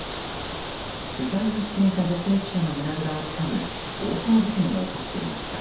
取材をしていた女性記者の胸ぐらをつかむ暴行事件を起こしていました。